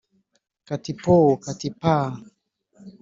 Kati pooo ! kati paaa,